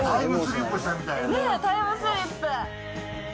タイムスリップ。